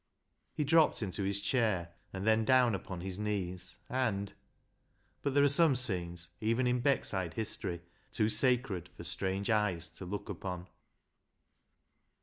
He dropped into his chair, and then down upon his knees, and — But there are some scenes even in Beckside history too sacred for strange eyes to look upon.